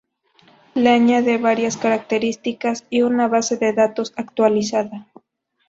Le añade varias características y una base de datos actualizada.